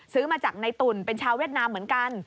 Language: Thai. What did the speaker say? ซื้อมาจากในตุ่นเป็นชาวเวียดนามเหมือนกัน